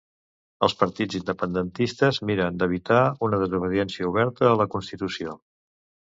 Els partits independentistes miren d'evitar una desobediència oberta a la constitució.